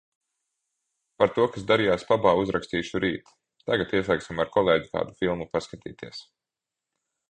Par to, kas darījās pabā, uzrakstīšu rīt. Tagad ieslēgsim ar kolēģi kādu filmu paskatīties.